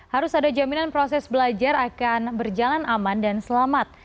harus ada jaminan proses belajar akan berjalan aman dan selamat